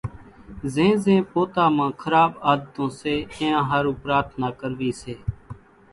زين زين پوتا مان کراٻ عادتون سي اينيان ۿارُو پرارٿنا ڪروي سي،